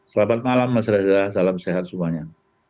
selamat malam masyarakat salam sehat semuanya